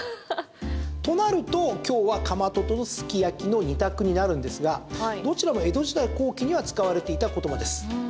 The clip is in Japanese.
となると、今日はかまとととすき焼きの２択になるんですがどちらも江戸時代後期には使われていた言葉です。